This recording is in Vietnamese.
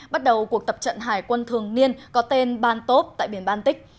bắt đầu cuộc tập trận hải quân thường niên có tên bantop tại biển baltic